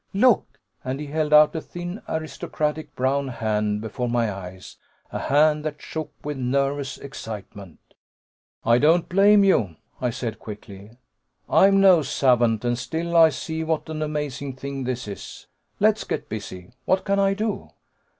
Look!" And he held out a thin, aristocratic brown hand before my eyes, a hand that shook with nervous excitement. "I don't blame you," I said quickly. "I'm no savant, and still I see what an amazing thing this is. Let's get busy. What can I do?"